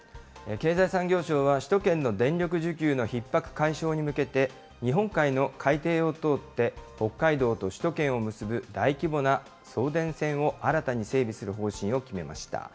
経済産業省は、首都圏の電力需給のひっ迫解消に向けて、日本海の海底を通って、北海道と首都圏を結ぶ大規模な送電線を新たに整備する方針を決めました。